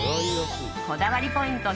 こだわりポイント